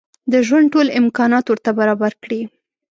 د ژوند ټول امکانات ورته برابر کړي.